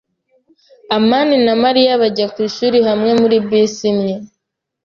amani na Mariya bajya ku ishuri hamwe muri bisi imwe.